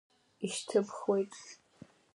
Ишьҭыбхуеит…